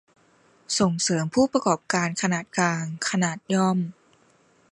ส่งเสริมผู้ประกอบการขนาดกลาง ขนาดย่อม